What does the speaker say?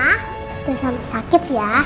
kita sama sakit ya